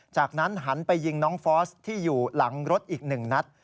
จากนั้นหันไปยิงน้องฟอสที่อยู่หลังรถอีก๑นัด